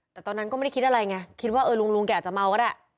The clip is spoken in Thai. แต่ตอนนั้นก็ไม่ได้คิดอะไรไงคิดว่าเออลุงแกอาจจะเมาก็ได้